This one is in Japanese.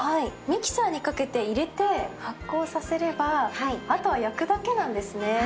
ミキサーにかけて入れて発酵させれば後は焼くだけなんですね。